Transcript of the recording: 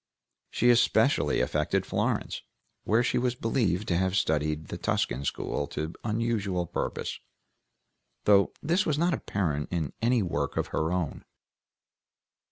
She especially affected Florence, where she was believed to have studied the Tuscan School to unusual purpose, though this was not apparent in any work of her own.